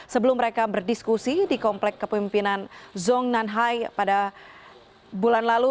sebelum mereka berdiskusi di komplek kepemimpinan zong nanhai pada bulan lalu